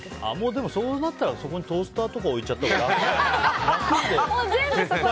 でもそうなったらトースターとか置いちゃったほうが楽だよね。